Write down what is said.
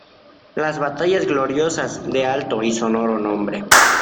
¡ las batallas gloriosas de alto y sonoro nombre!